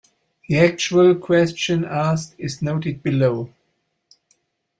The actual question asked is noted below.